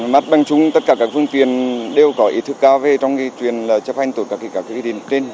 mặt bằng chúng tất cả các phương tiện đều có ý thức cao về trong cái chuyện là chấp hành tụt các cái điện trên